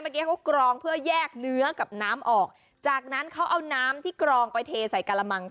เมื่อกี้เขากรองเพื่อแยกเนื้อกับน้ำออกจากนั้นเขาเอาน้ำที่กรองไปเทใส่กระมัง